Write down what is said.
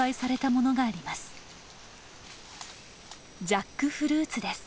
ジャックフルーツです。